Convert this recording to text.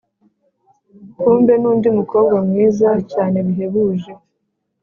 kumbe nundi mukobwa mwiza cyane bihebuje,